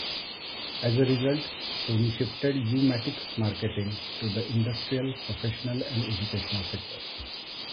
As a result, Sony shifted U-Matic's marketing to the industrial, professional, and educational sectors.